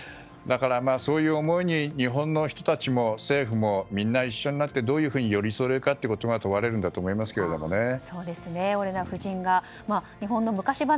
だから、そういう思いに日本の人たちも政府もみんな一緒になってどういうふうに寄り添えるかというのが問われるんだと思いますね。